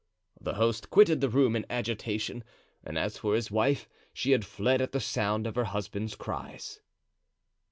The host quitted the room in agitation, and as for his wife, she had fled at the sound of her husband's cries.